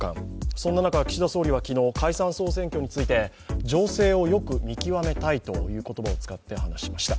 そんな中、岸田総理は昨日解散総選挙について、情勢をよく見極めたいという言葉を使って話しました。